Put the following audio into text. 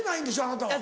あなたは。